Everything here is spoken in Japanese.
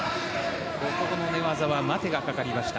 寝技は待てがかかりました。